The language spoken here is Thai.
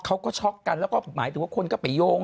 ช็อกกันแล้วก็หมายถึงว่าคนก็ไปโยง